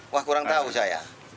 wah kurang tahu saya